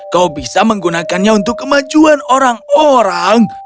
kau bisa menggunakannya untuk kemajuan orang orang